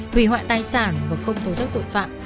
hủy hoại tài sản và không tố giác tội phạm